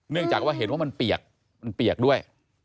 เนื่องจากว่าเห็นว่ามันเปียกเปียกด้วย